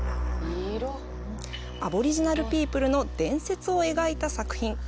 アボリジナルピープルの伝説を描いた作品。